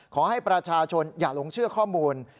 ขอให้ประชาชนอย่าหลงเชื่อข้อมูล